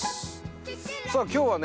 さあ今日はね